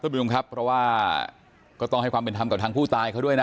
คุณผู้ชมครับเพราะว่าก็ต้องให้ความเป็นธรรมกับทางผู้ตายเขาด้วยนะ